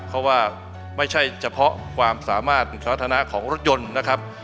เพราะว่าไม่ใช่เฉพาะความสามารถสาธารณะของรถยนต์นะครับ